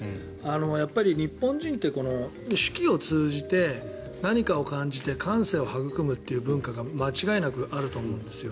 やっぱり日本人って四季を通じて何かを感じて感性をはぐくむって文化が間違いなくあると思うんですよ。